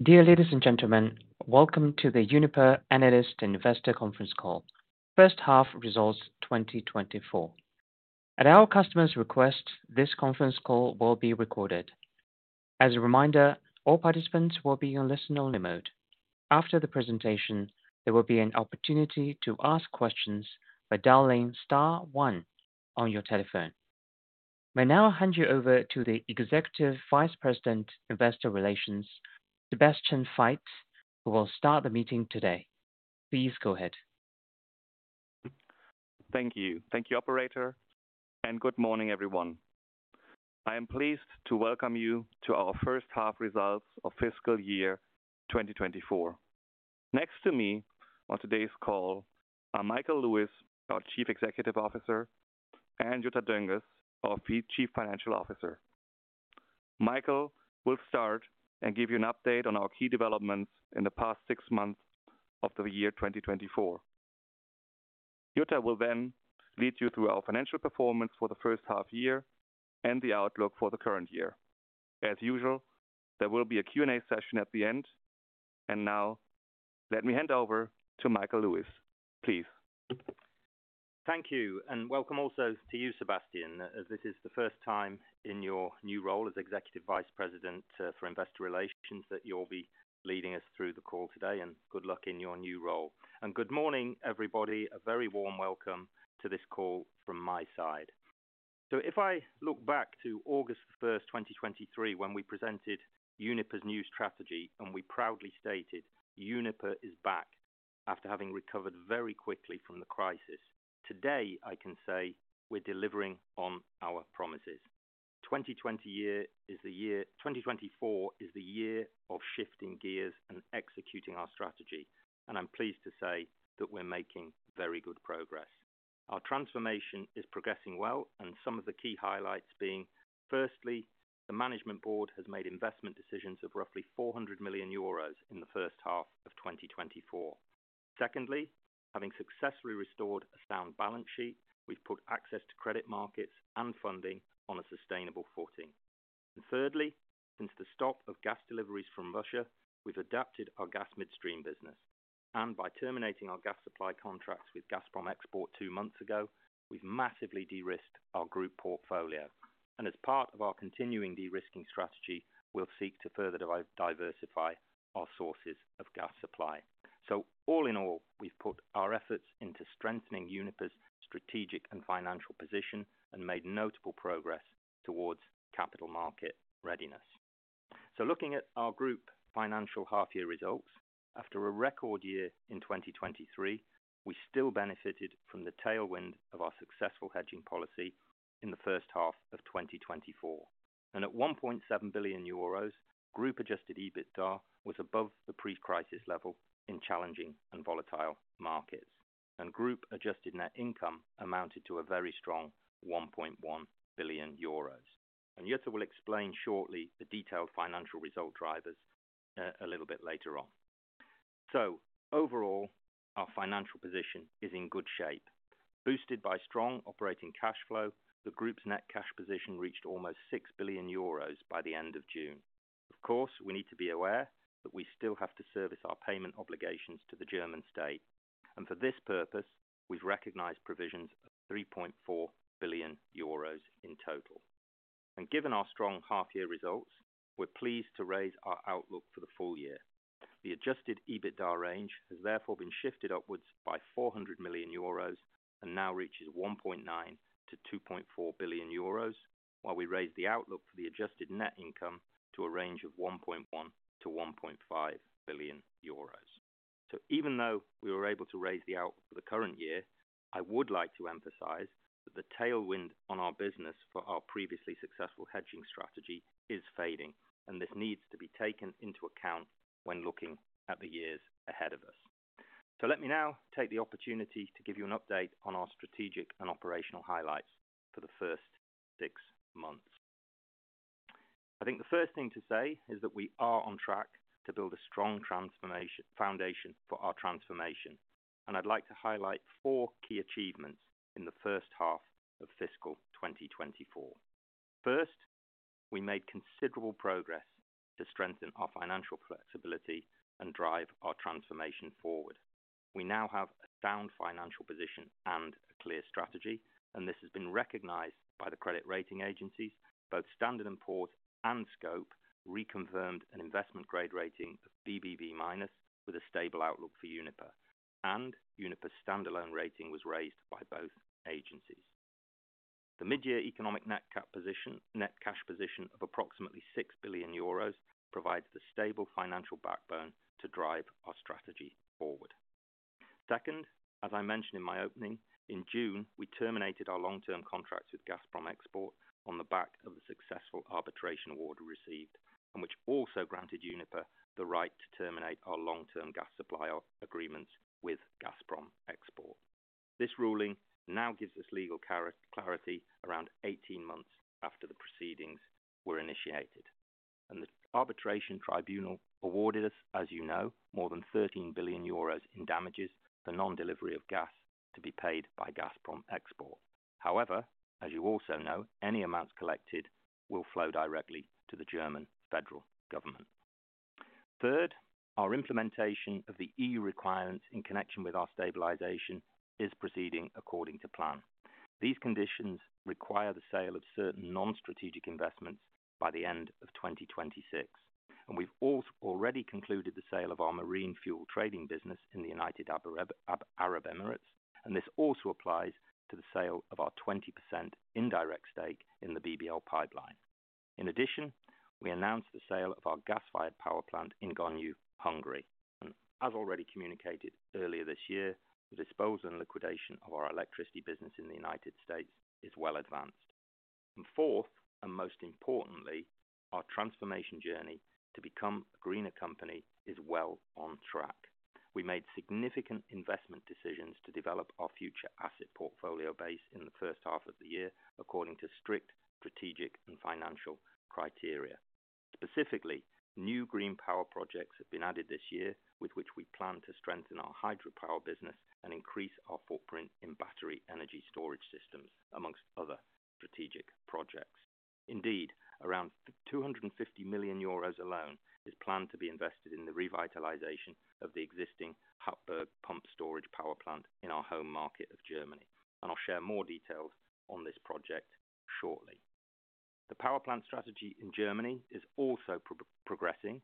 Dear ladies and gentlemen, welcome to the Uniper Analyst and Investor Conference Call, First Half Results 2024. At our customer's request, this conference call will be recorded. As a reminder, all participants will be on listen-only mode. After the presentation, there will be an opportunity to ask questions by dialing star one on your telephone. May now hand you over to the Executive Vice President, Investor Relations, Sebastian Fietz, who will start the meeting today. Please go ahead. Thank you. Thank you, operator, and good morning, everyone. I am pleased to welcome you to our first half results of fiscal year 2024. Next to me on today's call are Michael Lewis, our Chief Executive Officer, and Jutta Dönges, our Chief Financial Officer. Michael will start and give you an update on our key developments in the past six months of the year 2024. Jutta will then lead you through our financial performance for the first half year and the outlook for the current year. As usual, there will be a Q&A session at the end, and now let me hand over to Michael Lewis, please. Thank you, and welcome also to you, Sebastian, as this is the first time in your new role as Executive Vice President for Investor Relations, that you'll be leading us through the call today, and good luck in your new role. Good morning, everybody. A very warm welcome to this call from my side. So if I look back to August 1, 2023, when we presented Uniper's new strategy, and we proudly stated, "Uniper is back," after having recovered very quickly from the crisis. Today, I can say we're delivering on our promises. 2020 year is the year—2024 is the year of shifting gears and executing our strategy, and I'm pleased to say that we're making very good progress. Our transformation is progressing well, and some of the key highlights being, firstly, the management board has made investment decisions of roughly 400 million euros in the first half of 2024. Secondly, having successfully restored a sound balance sheet, we've put access to credit markets and funding on a sustainable footing. And thirdly, since the stop of gas deliveries from Russia, we've adapted our gas midstream business, and by terminating our gas supply contracts with Gazprom Export two months ago, we've massively de-risked our group portfolio. And as part of our continuing de-risking strategy, we'll seek to further diversify our sources of gas supply. So all in all, we've put our efforts into strengthening Uniper's strategic and financial position and made notable progress towards capital market readiness. So looking at our group financial half year results, after a record year in 2023, we still benefited from the tailwind of our successful hedging policy in the first half of 2024. And at 1.7 billion euros, group-adjusted EBITDA was above the pre-crisis level in challenging and volatile markets, and group-adjusted net income amounted to a very strong 1.1 billion euros. And Jutta will explain shortly the detailed financial result drivers, a little bit later on. So overall, our financial position is in good shape. Boosted by strong operating cash flow, the group's net cash position reached almost 6 billion euros by the end of June. Of course, we need to be aware that we still have to service our payment obligations to the German state, and for this purpose, we've recognized provisions of 3.4 billion euros in total. Given our strong half-year results, we're pleased to raise our outlook for the full year. The adjusted EBITDA range has therefore been shifted upwards by 400 million euros and now reaches 1.9 billion-2.4 billion euros, while we raise the outlook for the adjusted net income to a range of 1.1 billion-1.5 billion euros. Even though we were able to raise the outlook for the current year, I would like to emphasize that the tailwind on our business for our previously successful hedging strategy is fading, and this needs to be taken into account when looking at the years ahead of us. Let me now take the opportunity to give you an update on our strategic and operational highlights for the first six months. I think the first thing to say is that we are on track to build a strong foundation for our transformation, and I'd like to highlight four key achievements in the first half of fiscal 2024. First, we made considerable progress to strengthen our financial flexibility and drive our transformation forward. We now have a sound financial position and a clear strategy, and this has been recognized by the credit rating agencies. Both Standard and Poor's and Scope reconfirmed an investment grade rating of BBB minus, with a stable outlook for Uniper, and Uniper's standalone rating was raised by both agencies. The midyear economic net cash position of approximately 6 billion euros provides the stable financial backbone to drive our strategy forward. Second, as I mentioned in my opening, in June, we terminated our long-term contracts with Gazprom Export on the back of the successful arbitration award received, and which also granted Uniper the right to terminate our long-term gas supply agreements with Gazprom Export. This ruling now gives us legal clarity around 18 months after the proceedings were initiated, and the arbitration tribunal awarded us, as you know, more than 13 billion euros in damages for non-delivery of gas to be paid by Gazprom Export. However, as you also know, any amounts collected will flow directly to the German federal government. Third, our implementation of the EU requirements in connection with our stabilization is proceeding according to plan. These conditions require the sale of certain non-strategic investments by the end of 2026, and we've already concluded the sale of our marine fuel trading business in the United Arab Emirates, and this also applies to the sale of our 20% indirect stake in the BBL pipeline. In addition, we announced the sale of our gas-fired power plant in Gönyu, Hungary. As already communicated earlier this year, the disposal and liquidation of our electricity business in the United States is well advanced. And fourth, and most importantly, our transformation journey to become a greener company is well on track. We made significant investment decisions to develop our future asset portfolio base in the first half of the year, according to strict strategic and financial criteria. Specifically, new green power projects have been added this year, with which we plan to strengthen our hydropower business and increase our footprint in battery energy storage systems, among other strategic projects. Indeed, around 250 million euros alone is planned to be invested in the revitalization of the existing Happurg Pumped Storage Plant in our home market of Germany, and I'll share more details on this project shortly. The power plant strategy in Germany is also progressing.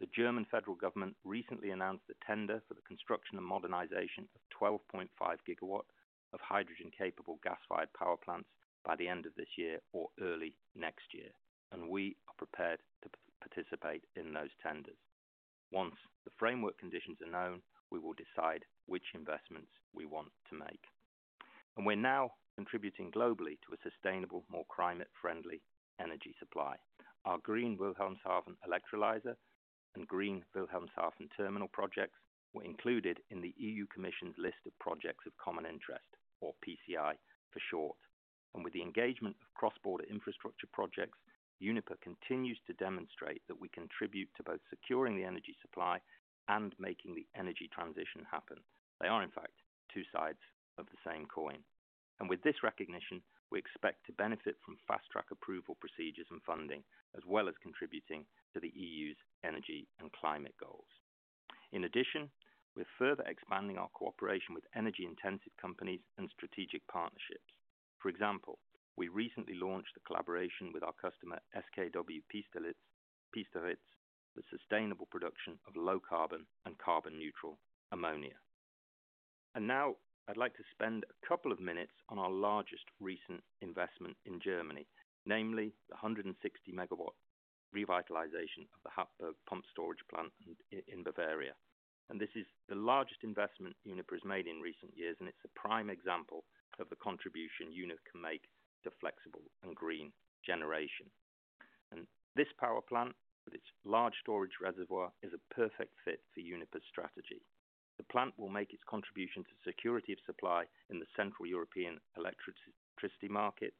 The German federal government recently announced a tender for the construction and modernization of 12.5 GW of hydrogen-capable gas-fired power plants by the end of this year or early next year, and we are prepared to participate in those tenders. Once the framework conditions are known, we will decide which investments we want to make. We're now contributing globally to a sustainable, more climate-friendly energy supply. Our Green Wilhelmshaven Electrolyzer and Green Wilhelmshaven Terminal projects were included in the EU Commission's list of Projects of Common Interest, or PCI for short. With the engagement of cross-border infrastructure projects, Uniper continues to demonstrate that we contribute to both securing the energy supply and making the energy transition happen. They are, in fact, two sides of the same coin, and with this recognition, we expect to benefit from fast-track approval procedures and funding, as well as contributing to the EU's energy and climate goals. In addition, we're further expanding our cooperation with energy-intensive companies and strategic partnerships. For example, we recently launched a collaboration with our customer, SKW Piesteritz, the sustainable production of low carbon and carbon-neutral ammonia. Now I'd like to spend a couple of minutes on our largest recent investment in Germany, namely the 160-megawatt revitalization of the Hattberg Pumped Storage Plant in Bavaria. This is the largest investment Uniper has made in recent years, and it's a prime example of the contribution Uniper can make to flexible and green generation. This power plant, with its large storage reservoir, is a perfect fit for Uniper's strategy. The plant will make its contribution to security of supply in the Central European electricity market,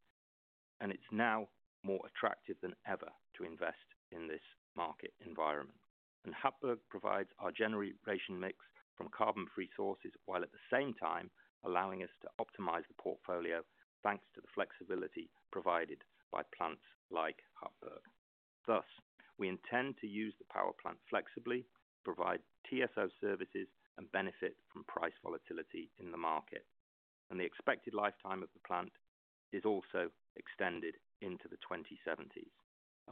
and it's now more attractive than ever to invest in this market environment. Hattberg provides our generation mix from carbon-free sources, while at the same time allowing us to optimize the portfolio, thanks to the flexibility provided by plants like Hattberg. Thus, we intend to use the power plant flexibly, provide TSO services and benefit from price volatility in the market, and the expected lifetime of the plant is also extended into the 2070s.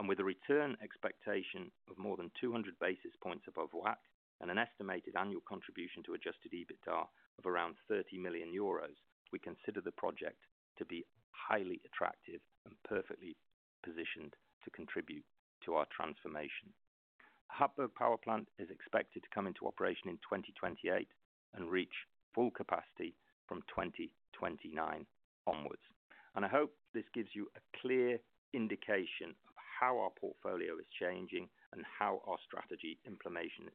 With a return expectation of more than 200 basis points above WACC and an estimated annual contribution to adjusted EBITDA of around 30 million euros, we consider the project to be highly attractive and perfectly positioned to contribute to our transformation. Hattberg Power Plant is expected to come into operation in 2028 and reach full capacity from 2029 onwards. I hope this gives you a clear indication of how our portfolio is changing and how our strategy implementation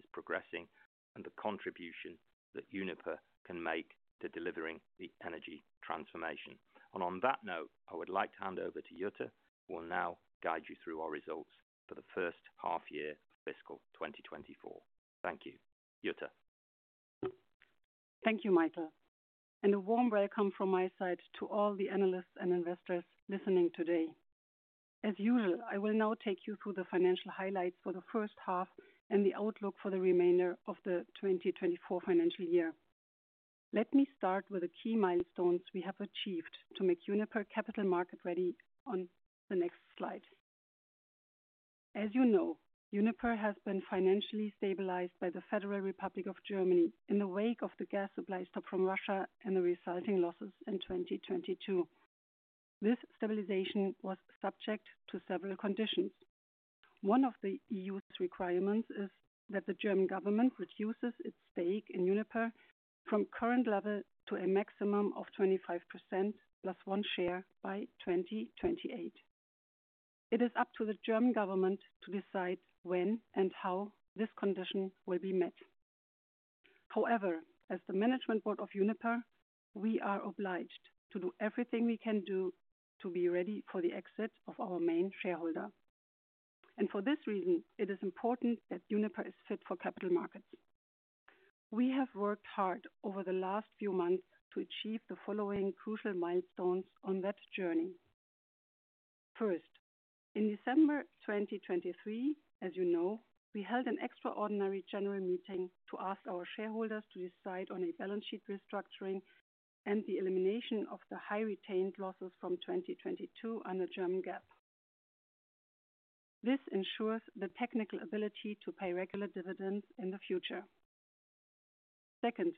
is progressing, and the contribution that Uniper can make to delivering the energy transformation. On that note, I would like to hand over to Jutta, who will now guide you through our results for the first half year of fiscal 2024. Thank you. Jutta? Thank you, Michael, and a warm welcome from my side to all the analysts and investors listening today. As usual, I will now take you through the financial highlights for the first half and the outlook for the remainder of the 2024 financial year. Let me start with the key milestones we have achieved to make Uniper capital market ready on the next slide. As you know, Uniper has been financially stabilized by the Federal Republic of Germany in the wake of the gas supply stop from Russia and the resulting losses in 2022. This stabilization was subject to several conditions. One of the EU's requirements is that the German government reduces its stake in Uniper from current level to a maximum of 25% plus one share by 2028. It is up to the German government to decide when and how this condition will be met. However, as the management board of Uniper, we are obliged to do everything we can do to be ready for the exit of our main shareholder. And for this reason, it is important that Uniper is fit for capital markets. We have worked hard over the last few months to achieve the following crucial milestones on that journey. First, in December 2023, as you know, we held an extraordinary general meeting to ask our shareholders to decide on a balance sheet restructuring and the elimination of the high retained losses from 2022 under German GAAP. This ensures the technical ability to pay regular dividends in the future. Second,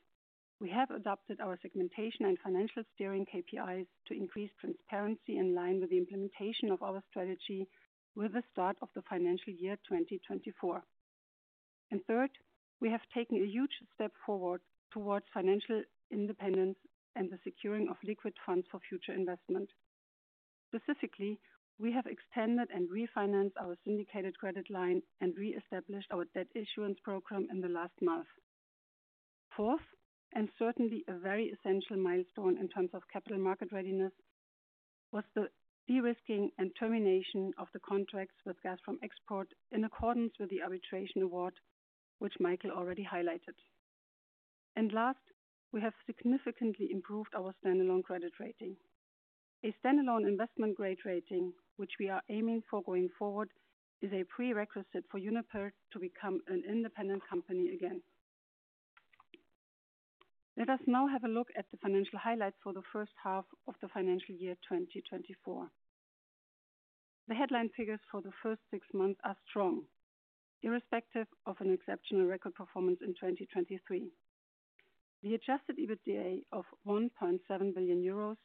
we have adopted our segmentation and financial steering KPIs to increase transparency in line with the implementation of our strategy with the start of the financial year 2024. Third, we have taken a huge step forward towards financial independence and the securing of liquid funds for future investment. Specifically, we have extended and refinanced our syndicated credit line and reestablished our debt issuance program in the last month. Fourth, and certainly a very essential milestone in terms of capital market readiness, was the de-risking and termination of the contracts with Gazprom Export in accordance with the arbitration award, which Michael already highlighted. Last, we have significantly improved our standalone credit rating. A standalone investment grade rating, which we are aiming for going forward, is a prerequisite for Uniper to become an independent company again. Let us now have a look at the financial highlights for the first half of the financial year 2024. The headline figures for the first six months are strong, irrespective of an exceptional record performance in 2023. The adjusted EBITDA of 1.7 billion euros,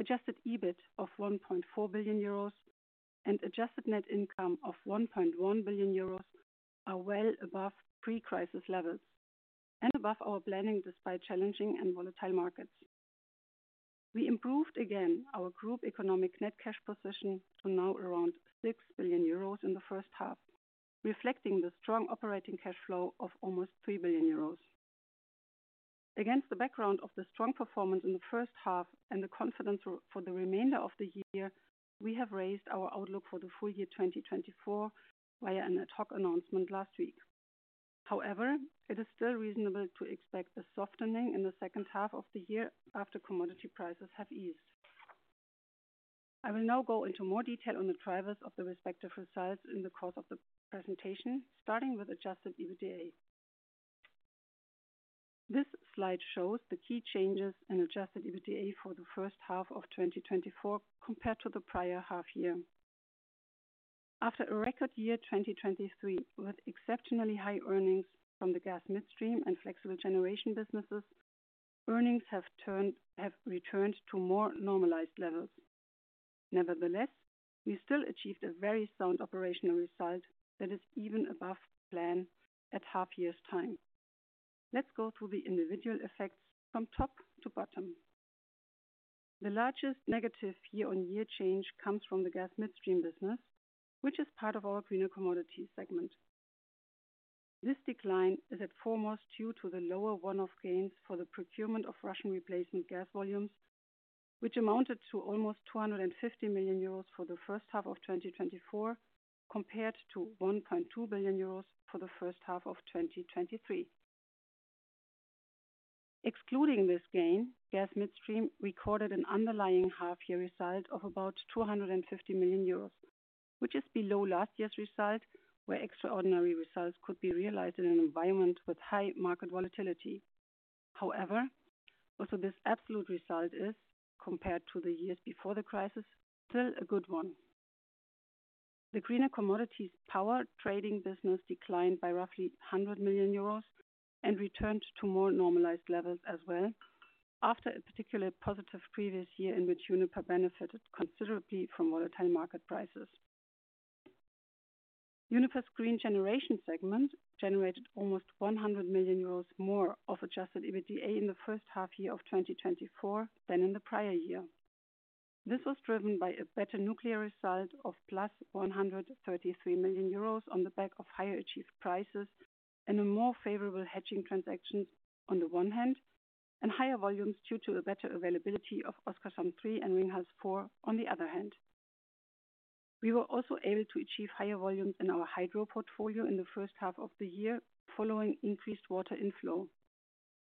adjusted EBIT of 1.4 billion euros, and adjusted net income of 1.1 billion euros are well above pre-crisis levels and above our planning, despite challenging and volatile markets. We improved again our group economic net cash position to now around 6 billion euros in the first half, reflecting the strong operating cash flow of almost 3 billion euros. Against the background of the strong performance in the first half and the confidence for the remainder of the year, we have raised our outlook for the full year 2024 via an ad hoc announcement last week. However, it is still reasonable to expect a softening in the second half of the year after commodity prices have eased. I will now go into more detail on the drivers of the respective results in the course of the presentation, starting with adjusted EBITDA. This slide shows the key changes in adjusted EBITDA for the first half of 2024, compared to the prior half year. After a record year, 2023, with exceptionally high earnings from the gas midstream and flexible generation businesses, earnings have returned to more normalized levels. Nevertheless, we still achieved a very sound operational result that is even above plan at half year's time. Let's go through the individual effects from top to bottom. The largest negative year-on-year change comes from the gas midstream business, which is part of our greener commodity segment. This decline is at foremost due to the lower one-off gains for the procurement of Russian replacement gas volumes, which amounted to almost 250 million euros for the first half of 2024, compared to 1.2 billion euros for the first half of 2023. Excluding this gain, gas midstream recorded an underlying half-year result of about 250 million euros, which is below last year's result, where extraordinary results could be realized in an environment with high market volatility. However, also this absolute result is, compared to the years before the crisis, still a good one. The greener commodities power trading business declined by roughly 100 million euros and returned to more normalized levels as well, after a particularly positive previous year in which Uniper benefited considerably from volatile market prices. Uniper's green generation segment generated almost 100 million euros more of adjusted EBITDA in the first half year of 2024 than in the prior year. This was driven by a better nuclear result of +133 million euros on the back of higher achieved prices and a more favorable hedging transactions on the one hand, and higher volumes due to a better availability of Oskarshamn 3 and Ringhals 4 on the other hand. We were also able to achieve higher volumes in our hydro portfolio in the first half of the year, following increased water inflow.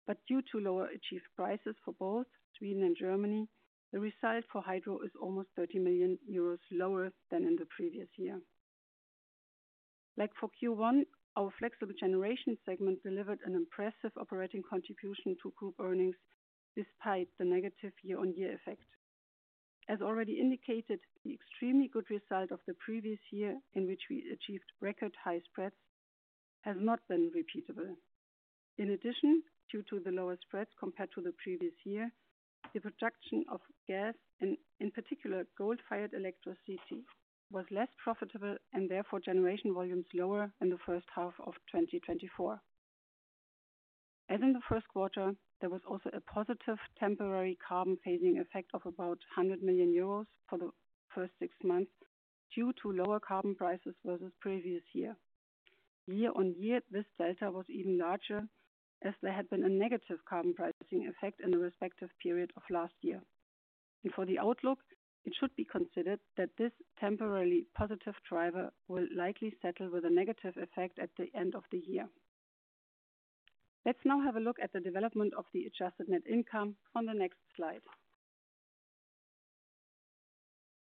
But due to lower achieved prices for both Sweden and Germany, the result for hydro is almost 30 million euros lower than in the previous year. Like for Q1, our flexible generation segment delivered an impressive operating contribution to group earnings, despite the negative year-on-year effect. As already indicated, the extremely good result of the previous year, in which we achieved record high spreads, has not been repeatable. In addition, due to the lower spreads compared to the previous year, the production of gas, and in particular, gas-fired power CC, was less profitable and therefore generation volumes lower in the first half of 2024. As in the Q1, there was also a positive temporary carbon phasing effect of about 100 million euros for the first six months, due to lower carbon prices versus previous year. Year-on-year, this delta was even larger, as there had been a negative carbon pricing effect in the respective period of last year. For the outlook, it should be considered that this temporarily positive driver will likely settle with a negative effect at the end of the year. Let's now have a look at the development of the adjusted net income on the next slide.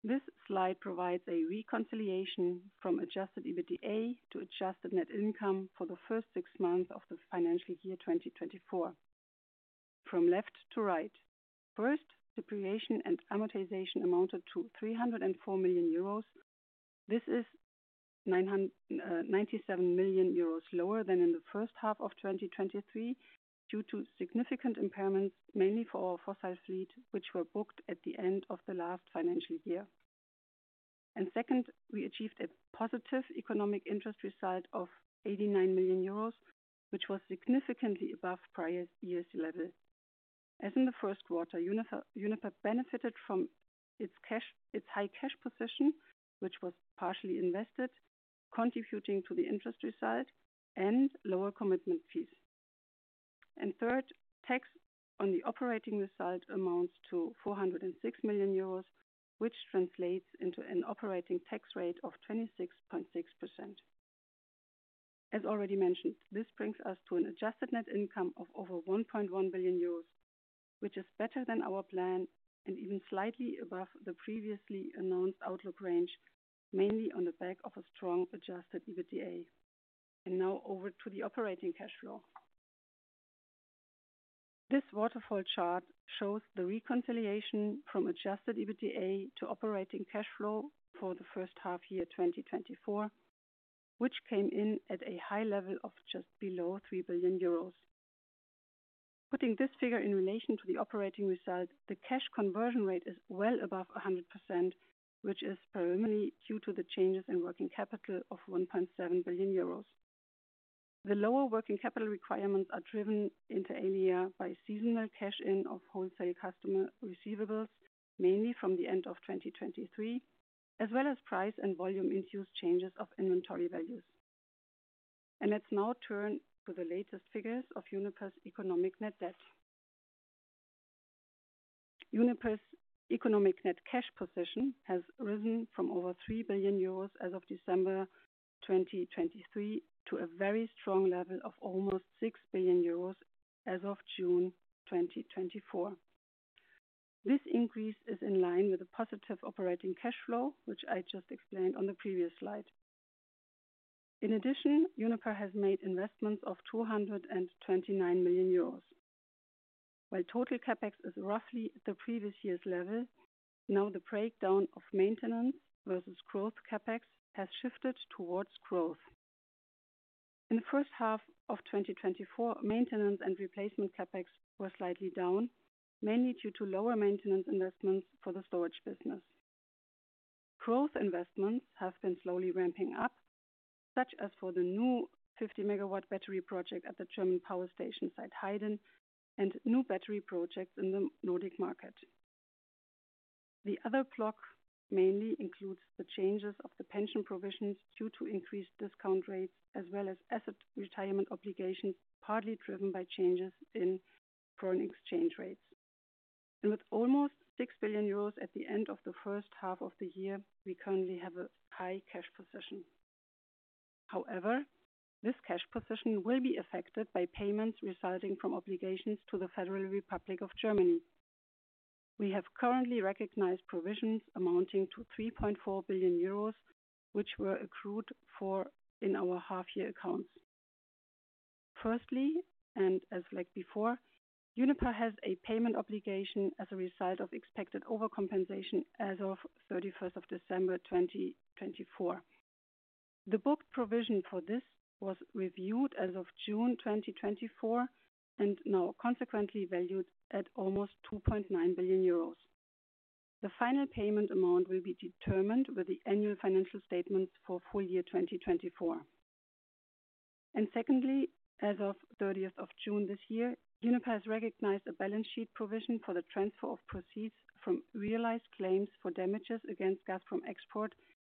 This slide provides a reconciliation from adjusted EBITDA to adjusted net income for the first six months of the financial year 2024. From left to right, first, depreciation and amortization amounted to 304 million euros. This is 997 million euros lower than in the first half of 2023, due to significant impairments, mainly for our fossil fleet, which were booked at the end of the last financial year. And second, we achieved a positive economic interest result of 89 million euros, which was significantly above prior year's level. As in the Q1, Uniper benefited from its high cash position, which was partially invested, contributing to the interest result and lower commitment fees. Third, tax on the operating result amounts to 406 million euros, which translates into an operating tax rate of 26.6%. As already mentioned, this brings us to an adjusted net income of over 1.1 billion euros, which is better than our plan and even slightly above the previously announced outlook range, mainly on the back of a strong adjusted EBITDA. Now over to the operating cash flow. This waterfall chart shows the reconciliation from adjusted EBITDA to operating cash flow for the first half year 2024, which came in at a high level of just below 3 billion euros. Putting this figure in relation to the operating result, the cash conversion rate is well above 100%, which is primarily due to the changes in working capital of 1.7 billion euros. The lower working capital requirements are driven inter alia by seasonal cash-in of wholesale customer receivables, mainly from the end of 2023, as well as price and volume-induced changes of inventory values. Let's now turn to the latest figures of Uniper's economic net debt. Uniper's economic net cash position has risen from over 3 billion euros as of December 2023, to a very strong level of almost 6 billion euros as of June 2024. This increase is in line with the positive operating cash flow, which I just explained on the previous slide. In addition, Uniper has made investments of 229 million euros. While total CapEx is roughly the previous year's level, now the breakdown of maintenance versus growth CapEx has shifted towards growth. In the first half of 2024, maintenance and replacement CapEx were slightly down, mainly due to lower maintenance investments for the storage business. Growth investments have been slowly ramping up, such as for the new 50-megawatt battery project at the German power station site, Heyden, and new battery projects in the Nordic market. The other block mainly includes the changes of the pension provisions due to increased discount rates, as well as asset retirement obligations, partly driven by changes in foreign exchange rates. And with almost 6 billion euros at the end of the first half of the year, we currently have a high cash position. However, this cash position will be affected by payments resulting from obligations to the Federal Republic of Germany. We have currently recognized provisions amounting to 3.4 billion euros, which were accrued for in our half-year accounts. Firstly, and as like before, Uniper has a payment obligation as a result of expected overcompensation as of 31st of December, 2024. The booked provision for this was reviewed as of June 2024, and now consequently valued at almost 2.9 billion euros. The final payment amount will be determined with the annual financial statements for full year 2024. Secondly, as of 30th of June this year, Uniper has recognized a balance sheet provision for the transfer of proceeds from realized claims for damages against Gazprom Export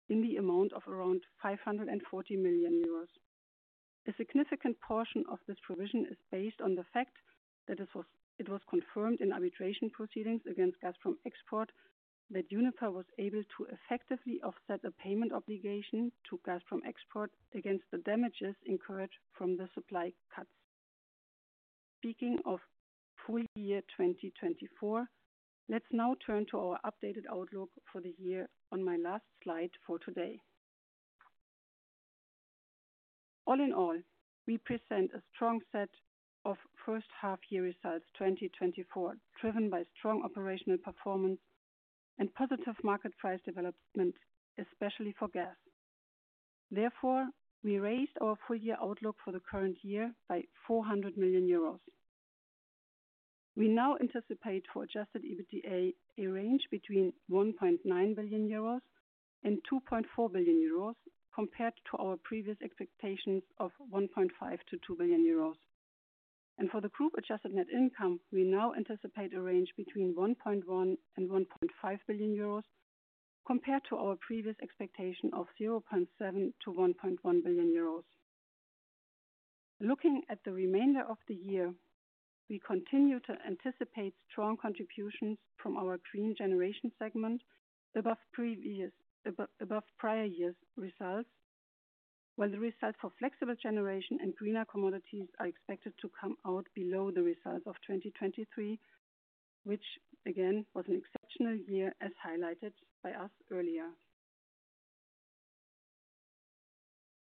in the amount of around 540 million euros. A significant portion of this provision is based on the fact that it was confirmed in arbitration proceedings against Gazprom Export, that Uniper was able to effectively offset a payment obligation to Gazprom Export against the damages incurred from the supply cuts. Speaking of full year 2024, let's now turn to our updated outlook for the year on my last slide for today. All in all, we present a strong set of first half-year results, 2024, driven by strong operational performance and positive market price development, especially for gas. Therefore, we raised our full-year outlook for the current year by 400 million euros. We now anticipate for adjusted EBITDA a range between 1.9 billion euros and 2.4 billion euros, compared to our previous expectations of 1.5-2 billion euros, and for the group adjusted net income, we now anticipate a range between 1.1 billion and 1.5 billion euros, compared to our previous expectation of 0.7-1.1 billion euros. Looking at the remainder of the year, we continue to anticipate strong contributions from our green generation segment above previous, above, above prior years' results, while the results for flexible generation and greener commodities are expected to come out below the results of 2023, which again, was an exceptional year, as highlighted by us earlier.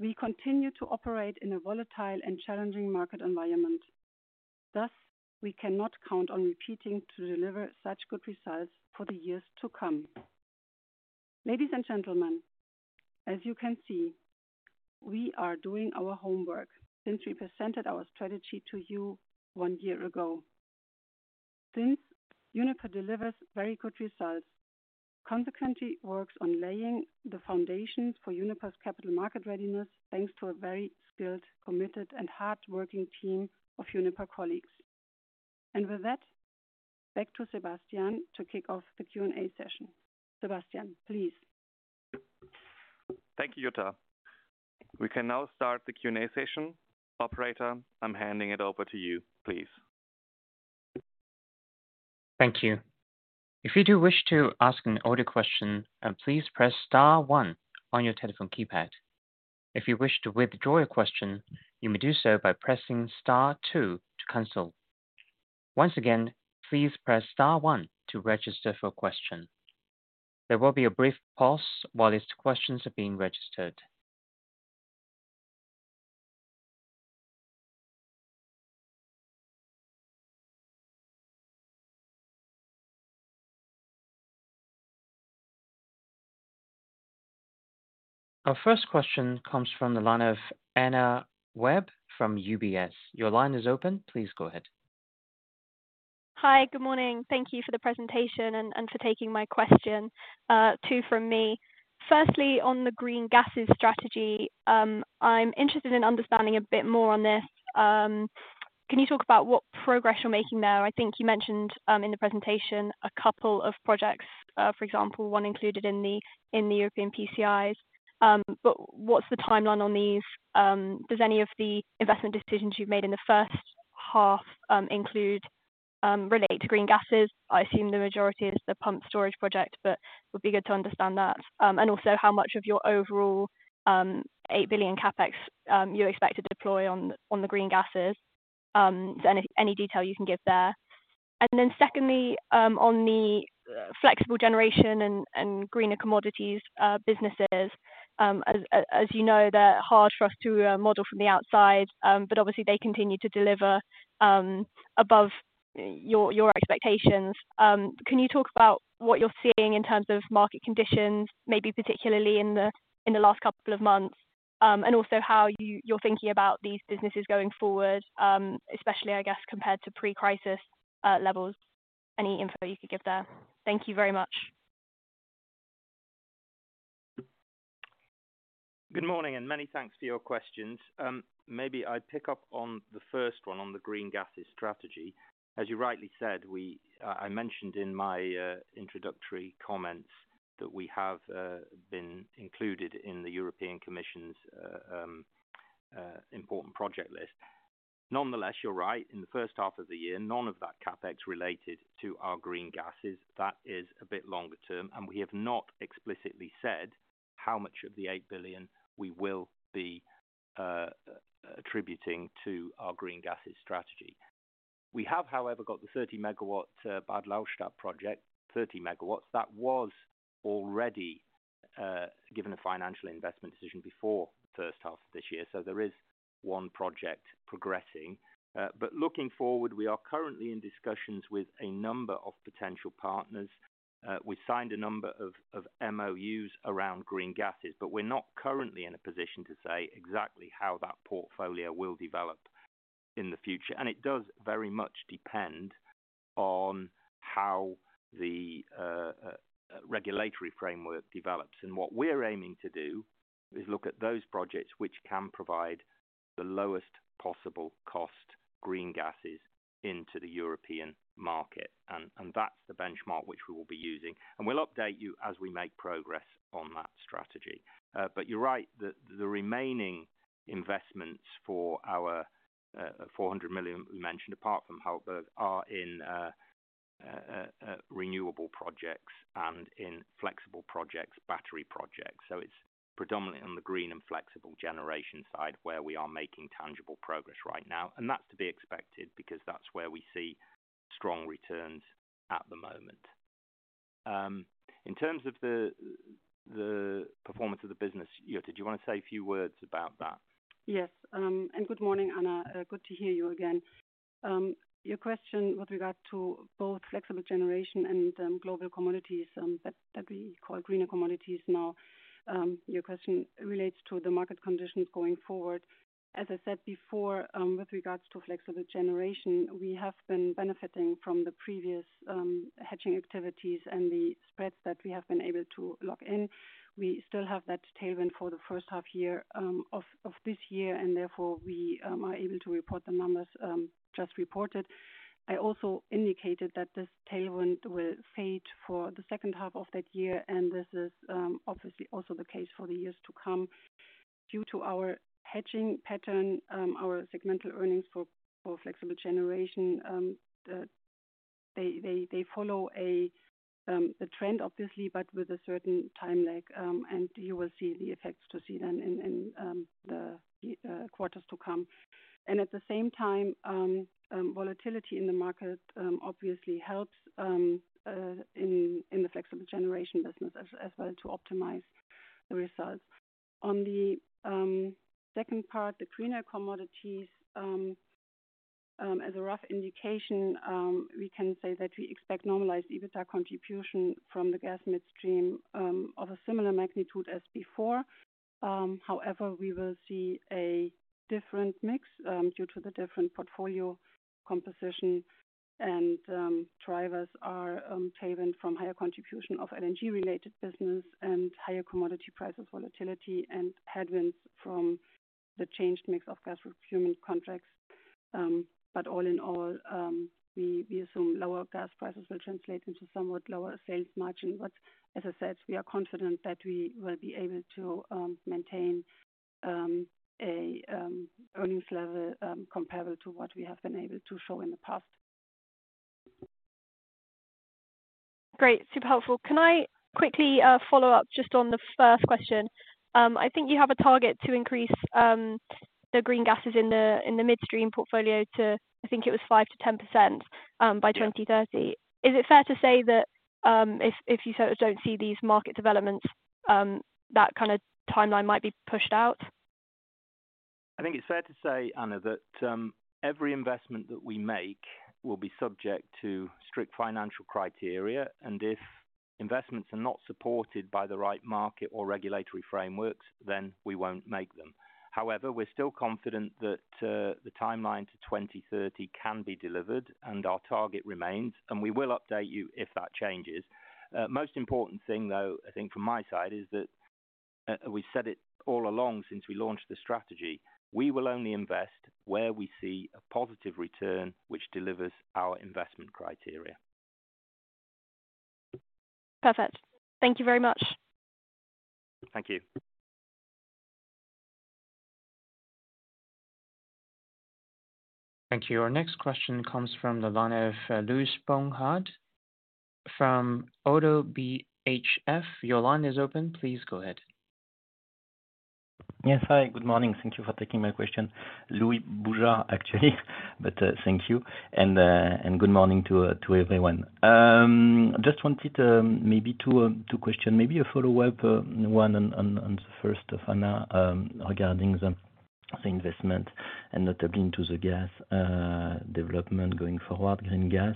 We continue to operate in a volatile and challenging market environment. Thus, we cannot count on repeating to deliver such good results for the years to come. Ladies and gentlemen, as you can see, we are doing our homework since we presented our strategy to you one year ago. Since Uniper delivers very good results, consequently works on laying the foundations for Uniper's capital market readiness, thanks to a very skilled, committed, and hardworking team of Uniper colleagues. With that, back to Sebastian to kick off the Q&A session. Sebastian, please. Thank you, Jutta. We can now start the Q&A session. Operator, I'm handing it over to you, please. Thank you. If you do wish to ask an audio question, please press star one on your telephone keypad. If you wish to withdraw your question, you may do so by pressing star two to cancel. Once again, please press star one to register for a question. There will be a brief pause while these questions are being registered. Our first question comes from the line of Anna Webb from UBS. Your line is open. Please go ahead. Hi, good morning. Thank you for the presentation and for taking my question, too from me. Firstly, on the green gases strategy, I'm interested in understanding a bit more on this. Can you talk about what progress you're making there? I think you mentioned, in the presentation a couple of projects, for example, one included in the, in the European PCIs. But what's the timeline on these? Does any of the investment decisions you've made in the first half, include, relate to green gases? I assume the majority is the pumped storage project, but it would be good to understand that. And also, how much of your overall, 8 billion CapEx, you expect to deploy on, on the green gases? Any, any detail you can give there. And then secondly, on the flexible generation and greener commodities businesses, as you know, they're hard for us to model from the outside, but obviously they continue to deliver above your expectations. Can you talk about what you're seeing in terms of market conditions, maybe particularly in the last couple of months? And also how you're thinking about these businesses going forward, especially, I guess, compared to pre-crisis levels. Any info you could give there? Thank you very much. Good morning, and many thanks for your questions. Maybe I pick up on the first one, on the green gases strategy. As you rightly said, we, I mentioned in my, introductory comments that we have, been included in the European Commission's, important project list. Nonetheless, you're right. In the first half of the year, none of that CapEx related to our green gases. That is a bit longer term, and we have not explicitly said how much of the 8 billion we will be, attributing to our green gases strategy. We have, however, got the 30-megawatt, Bad Lauchstadt project, 30 megawatts. That was already, given a financial investment decision before the first half of this year. So there is one project progressing. But looking forward, we are currently in discussions with a number of potential partners. We signed a number of MOUs around green gases, but we're not currently in a position to say exactly how that portfolio will develop in the future. It does very much depend on how the regulatory framework develops. What we're aiming to do is look at those projects which can provide the lowest possible cost green gases into the European market. That's the benchmark which we will be using, and we'll update you as we make progress on that strategy. But you're right that the remaining investments for our 400 million we mentioned, apart from Hattberg, are in renewable projects and in flexible projects, battery projects. It's predominantly on the green and flexible generation side, where we are making tangible progress right now. That's to be expected because that's where we see strong returns at the moment. In terms of the performance of the business, Jutta, did you want to say a few words about that? Yes, and good morning, Anna. Good to hear you again. Your question with regard to both flexible generation and global commodities that we call greener commodities now, your question relates to the market conditions going forward. As I said before, with regards to flexible generation, we have been benefiting from the previous hedging activities and the spreads that we have been able to lock in. We still have that tailwind for the first half year of this year, and therefore we are able to report the numbers just reported. I also indicated that this tailwind will fade for the second half of that year, and this is obviously also the case for the years to come. Due to our hedging pattern, our segmental earnings for flexible generation, they follow a trend, obviously, but with a certain time lag. And you will see the effects to see them in the quarters to come. And at the same time, volatility in the market obviously helps in the flexible generation business as well, to optimize the results. On the second part, the greener commodities, as a rough indication, we can say that we expect normalized EBITDA contribution from the gas midstream, of a similar magnitude as before. However, we will see a different mix due to the different portfolio composition and drivers are driven from higher contribution of LNG-related business and higher commodity prices, volatility and headwinds from the changed mix of gas procurement contracts. But all in all, we assume lower gas prices will translate into somewhat lower sales margin. But as I said, we are confident that we will be able to maintain a earnings level comparable to what we have been able to show in the past. Great, super helpful. Can I quickly follow up just on the first question? I think you have a target to increase the green gases in the midstream portfolio to, I think it was 5%-10%, by 2030. Is it fair to say that, if you so don't see these market developments, that kind of timeline might be pushed out? I think it's fair to say, Anna, that every investment that we make will be subject to strict financial criteria, and if investments are not supported by the right market or regulatory frameworks, then we won't make them. However, we're still confident that the timeline to 2030 can be delivered and our target remains, and we will update you if that changes. Most important thing, though, I think from my side, is that we said it all along since we launched the strategy, we will only invest where we see a positive return, which delivers our investment criteria. Perfect. Thank you very much. Thank you. Thank you. Our next question comes from the line of Louis Bujard from Oddo BHF. Your line is open. Please go ahead. Yes, hi, good morning. Thank you for taking my question. Louis Boujard, actually, but, thank you and, and good morning to, to everyone. Just wanted, maybe to question, maybe a follow-up, one on, on, on the first, Anna, regarding the, the investment and notably into the gas, development going forward, green gas.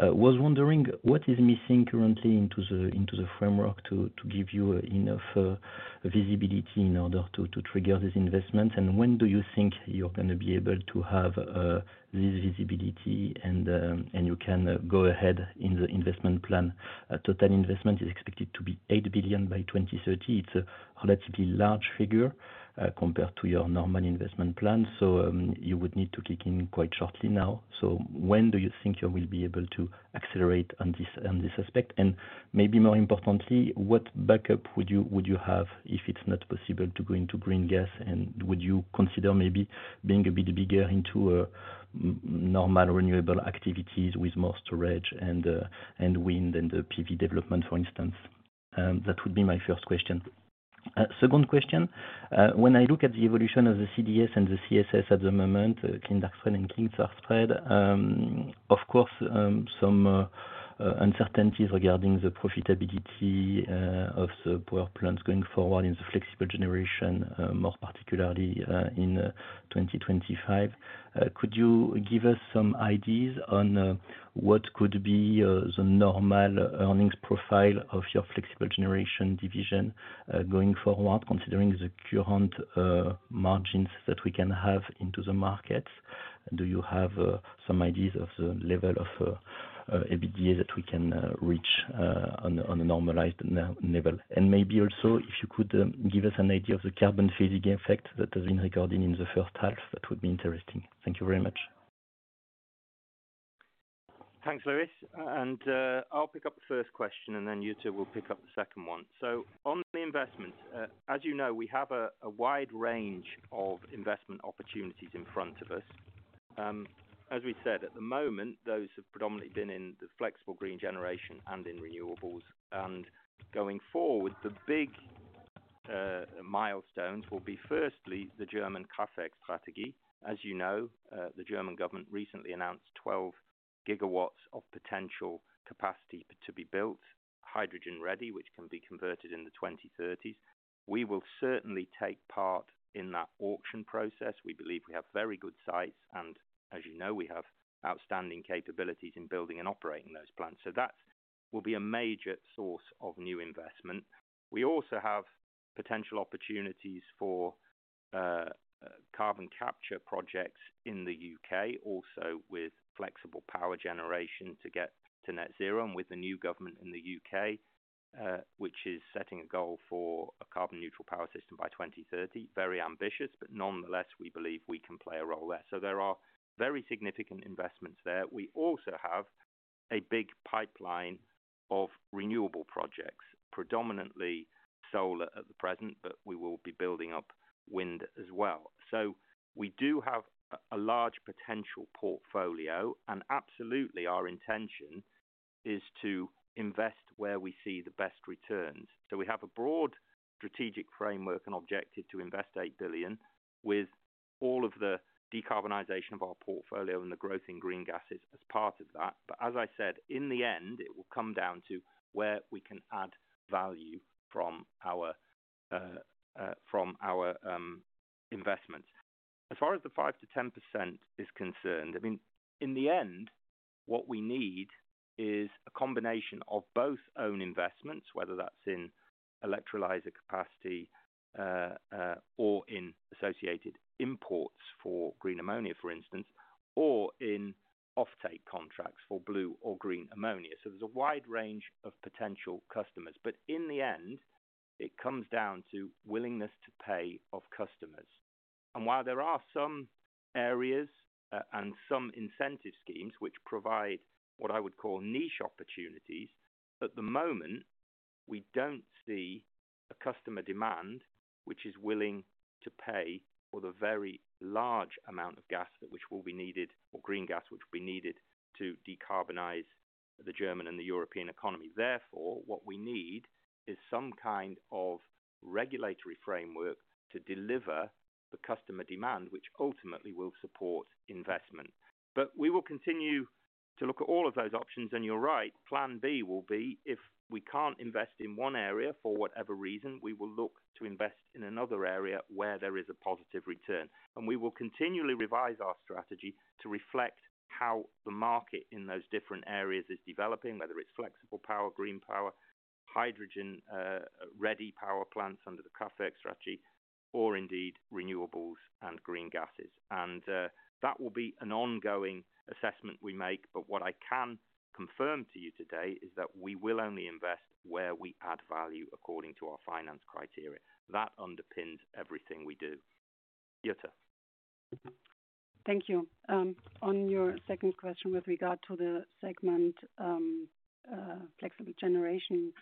Was wondering what is missing currently into the, into the framework to, to give you enough, visibility in order to, to trigger these investments? And when do you think you're gonna be able to have, this visibility and, and you can go ahead in the investment plan? Total investment is expected to be 8 billion by 2030. It's a relatively large figure, compared to your normal investment plan, so, you would need to kick in quite shortly now. So when do you think you will be able to accelerate on this, on this aspect? And maybe more importantly, what backup would you have if it's not possible to go into green gas? And would you consider maybe being a bit bigger into normal renewable activities with more storage and wind and the PV development, for instance? That would be my first question. Second question. When I look at the evolution of the CDS and the CSS at the moment, clean dark spread and clean spark spread, of course, some uncertainties regarding the profitability of the power plants going forward in the flexible generation, more particularly, in 2025. Could you give us some ideas on what could be the normal earnings profile of your flexible generation division going forward, considering the current margins that we can have into the market? Do you have some ideas of the level of EBITDA that we can reach on a normalized level? And maybe also, if you could, give us an idea of the carbon phasing effect that has been recorded in the first half, that would be interesting. Thank you very much. Thanks, Louis. I'll pick up the first question, and then Jutta will pick up the second one. On the investment, as you know, we have a wide range of investment opportunities in front of us. As we said, at the moment, those have predominantly been in the flexible green generation and in renewables. Going forward, the big milestones will be firstly, the German Kraftwerkstrategie. As you know, the German government recently announced 12 gigawatts of potential capacity to be built, hydrogen-ready, which can be converted in the 2030s. We will certainly take part in that auction process. We believe we have very good sites, and as you know, we have outstanding capabilities in building and operating those plants. That will be a major source of new investment. We also have potential opportunities for carbon capture projects in the UK, also with flexible power generation to get to net zero and with the new government in the UK, which is setting a goal for a carbon-neutral power system by 2030. Very ambitious, but nonetheless, we believe we can play a role there. So there are very significant investments there. We also have a big pipeline of renewable projects, predominantly solar at the present, but we will be building up wind as well. So we do have a large potential portfolio, and absolutely, our intention is to invest EUR 8 billion, with all of the decarbonization of our portfolio and the growth in green gases as part of that. But as I said, in the end, it will come down to where we can add value from our investments. As far as the 5%-10% is concerned, I mean, in the end, what we need is a combination of both own investments, whether that's in electrolyzer capacity, or in associated imports for green ammonia, for instance, or in offtake contracts for blue or green ammonia. So there's a wide range of potential customers, but in the end, it comes down to willingness to pay of customers. And while there are some areas and some incentive schemes which provide what I would call niche opportunities, at the moment, we don't see a customer demand which is willing to pay for the very large amount of gas that will be needed, or green gas, which will be needed to decarbonize the German and the European economy. Therefore, what we need is some kind of regulatory framework to deliver the customer demand, which ultimately will support investment. But we will continue to look at all of those options. And you're right, plan B will be if we can't invest in one area for whatever reason, we will look to invest in another area where there is a positive return. And we will continually revise our strategy to reflect how the market in those different areas is developing, whether it's flexible power, green power, hydrogen, ready power plants under the Kraftwerk strategy, or indeed, renewables and green gases. And, that will be an ongoing assessment we make, but what I can confirm to you today is that we will only invest where we add value according to our finance criteria. That underpins everything we do. Jutta? Thank you. On your second question with regard to the segment, flexible generation.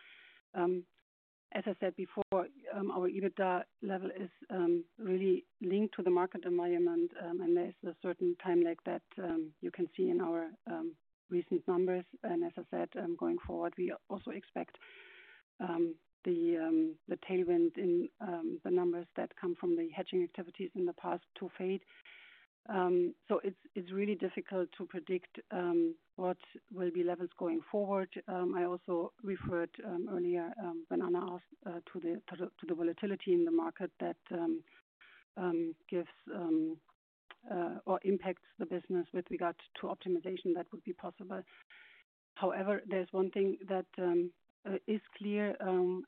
As I said before, our EBITDA level is really linked to the market environment, and there's a certain time lag that you can see in our recent numbers. And as I said, going forward, we also expect the tailwind in the numbers that come from the hedging activities in the past to fade. So it's really difficult to predict what will be levels going forward. I also referred earlier, when Anna asked, to the volatility in the market that gives or impacts the business with regard to optimization that would be possible. However, there's one thing that is clear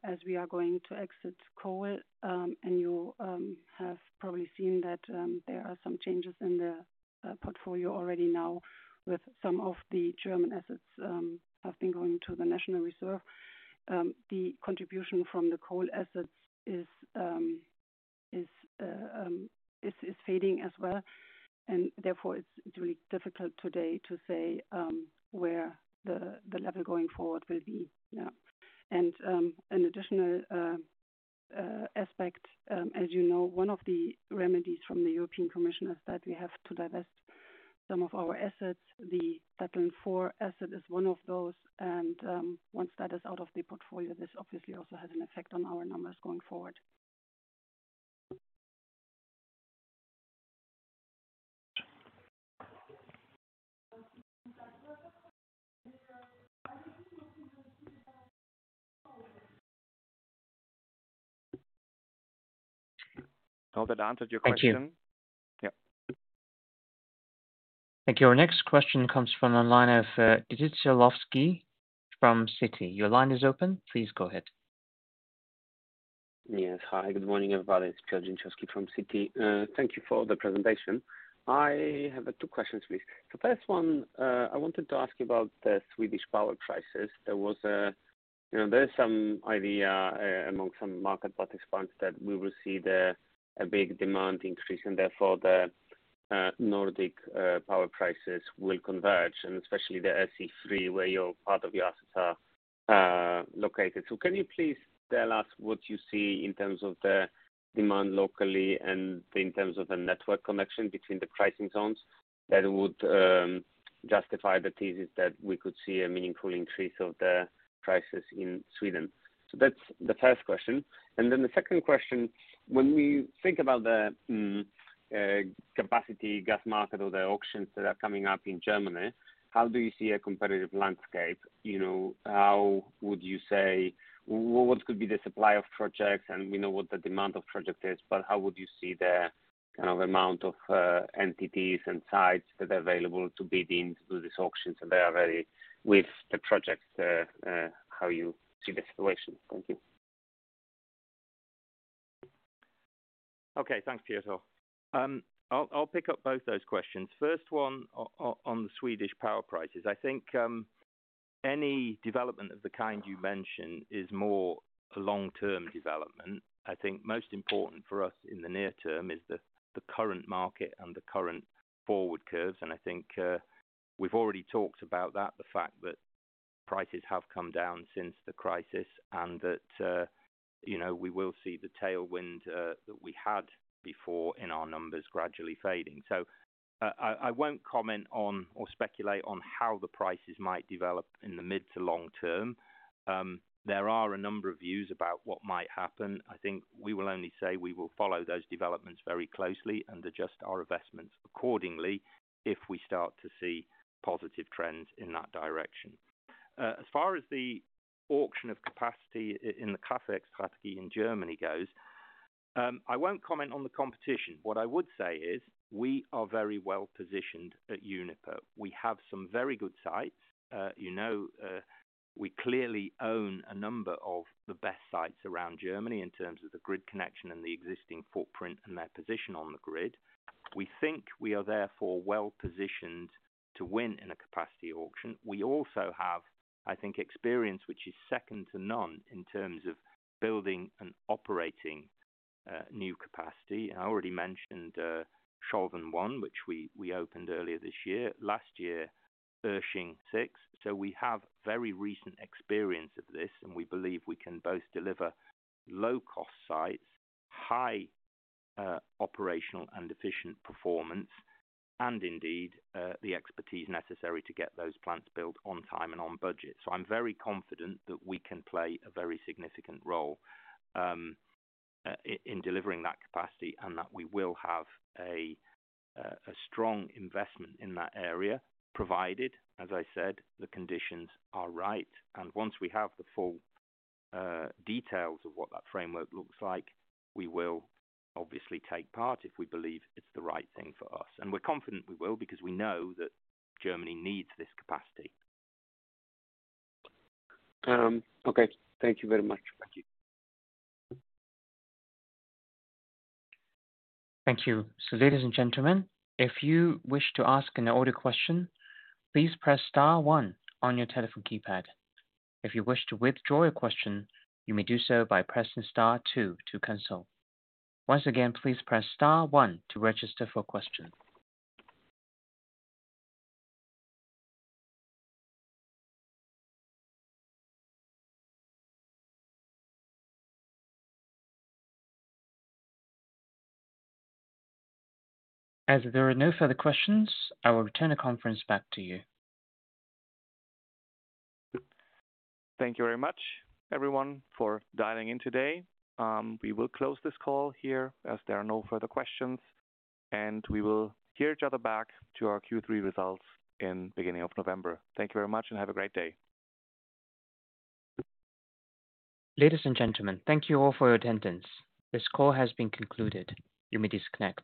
as we are going to exit coal, and you have probably seen that there are some changes in the portfolio already now with some of the German assets have been going to the national reserve. The contribution from the coal assets is fading as well, and therefore, it's really difficult today to say where the level going forward will be. Yeah. And an additional aspect, as you know, one of the remedies from the European Commission is that we have to divest some of our assets. The Datteln 4 asset is one of those, and once that is out of the portfolio, this obviously also has an effect on our numbers going forward. I hope that answered your question. Thank you. Yeah. Thank you. Our next question comes from the line of Piotr Szulczewski from Citi. Your line is open. Please go ahead. Yes, hi. Good morning, everybody. It's Piotr Szulczewski from Citi. Thank you for the presentation. I have two questions, please. The first one, I wanted to ask you about the Swedish power prices. There was a... You know, there's some idea among some market participants that we will see a big demand increase, and therefore the Nordic power prices will converge, and especially the AC three, where part of your assets are located. So can you please tell us what you see in terms of the demand locally and in terms of the network connection between the pricing zones that would justify the thesis that we could see a meaningful increase of the prices in Sweden? So that's the first question. And then the second question, when we think about the capacity gas market or the auctions that are coming up in Germany, how do you see a competitive landscape? You know, how would you say-- what could be the supply of projects, and we know what the demand of project is, but how would you see the kind of amount of entities and sites that are available to bid in to do these auctions, and they are very with the projects, how you see the situation? Thank you. Okay. Thanks, Piotr. I'll pick up both those questions. First one, on the Swedish power prices. I think any development of the kind you mention is more a long-term development. I think most important for us in the near term is the current market and the current forward curves. And I think we've already talked about that, the fact that prices have come down since the crisis and that you know we will see the tailwind that we had before in our numbers gradually fading. So I won't comment on or speculate on how the prices might develop in the mid to long term. There are a number of views about what might happen. I think we will only say we will follow those developments very closely and adjust our investments accordingly if we start to see positive trends in that direction. As far as the auction of capacity in the Kraftwerkstrategie in Germany goes, I won't comment on the competition. What I would say is we are very well positioned at Uniper. We have some very good sites. You know, we clearly own a number of the best sites around Germany in terms of the grid connection and the existing footprint and their position on the grid. We think we are therefore well positioned to win in a capacity auction. We also have, I think, experience, which is second to none in terms of building and operating new capacity. And I already mentioned Scholven one, which we opened earlier this year. Last year, Irsching six. So we have very recent experience of this, and we believe we can both deliver low-cost sites, high operational and efficient performance, and indeed the expertise necessary to get those plants built on time and on budget. So I'm very confident that we can play a very significant role in delivering that capacity, and that we will have a strong investment in that area, provided, as I said, the conditions are right. And once we have the full details of what that framework looks like, we will obviously take part if we believe it's the right thing for us. And we're confident we will, because we know that Germany needs this capacity. Okay. Thank you very much. Thank you. Thank you. So, ladies and gentlemen, if you wish to ask an audio question, please press star one on your telephone keypad. If you wish to withdraw your question, you may do so by pressing star two to cancel. Once again, please press star one to register for a question. As there are no further questions, I will return the conference back to you. Thank you very much, everyone, for dialing in today. We will close this call here as there are no further questions, and we will hear each other back to our Q3 results in beginning of November. Thank you very much, and have a great day. Ladies and gentlemen, thank you all for your attendance. This call has been concluded. You may disconnect.